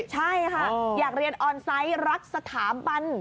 ใช่ค่ะอยากเรียนออนไซต์รักสถาบัน